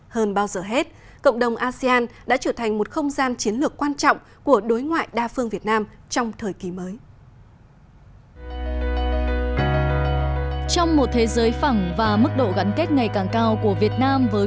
hơn bao giờ hết cộng đồng asean đã trở thành một không gian chiến lược quan trọng của đối ngoại đa phương việt nam trong thời kỳ mới